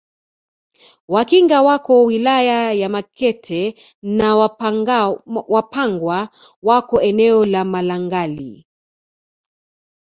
Wakinga wako wilaya ya Makete na Wapangwa wako eneo la Malangali